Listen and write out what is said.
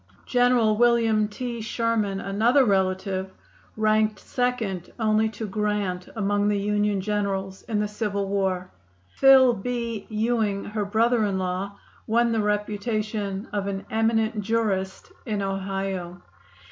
General William T. Sherman, another relative, ranked second only to Grant among the Union generals in the civil war. Phil. B. Ewing, her brother in law, won the reputation of an eminent jurist in Ohio.